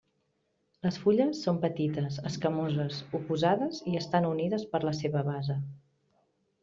Les fulles són petites, escamoses, oposades i estan unides per la seva base.